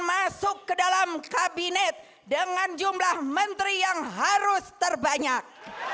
masuk ke dalam kabinet dengan jumlah menteri yang harus terbanyak